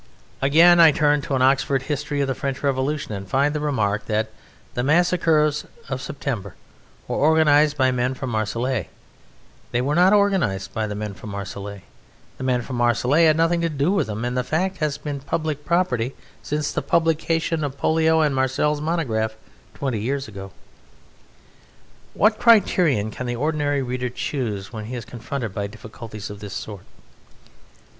Again, I turn to an Oxford History of the French Revolution, and I find the remark that the massacres of September were organized by the men from Marseilles. They were not organized by the men from Marseilles. The men from Marseilles had nothing to do with them, and the fact has been public property since the publication of Pollio and Marcel's monograph twenty years ago. What criterion can the ordinary reader choose when he is confronted by difficulties of this sort?